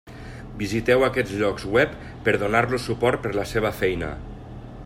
Visiteu aquests llocs web per donar-los suport per la seva feina.